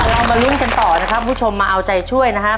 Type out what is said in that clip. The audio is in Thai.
เรามาลุ้นกันต่อนะครับคุณผู้ชมมาเอาใจช่วยนะครับ